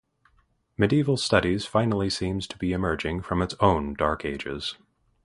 Medieval studies finally seems to be emerging from its own Dark Ages.